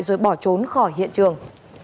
rồi bỏ trốn khỏi hiện trường